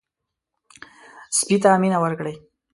سپي ته مینه ورکړئ.